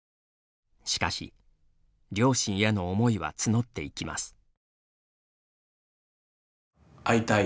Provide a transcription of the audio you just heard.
しかし、両親への思いは募っていきます。